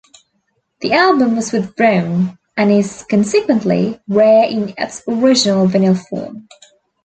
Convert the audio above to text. The album was withdrawn, and is, consequently, rare in its original vinyl form.